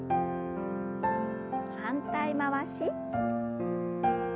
反対回し。